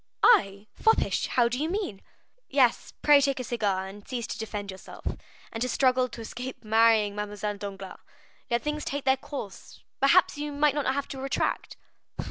"I foppish? how do you mean?" "Yes; pray take a cigar, and cease to defend yourself, and to struggle to escape marrying Mademoiselle Danglars. Let things take their course; perhaps you may not have to retract."